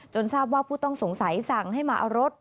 ทราบว่าผู้ต้องสงสัยสั่งให้มาเอารถ